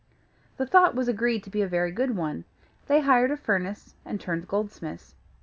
The thought was agreed to be a very good one; they hired a furnace, and turned goldsmiths.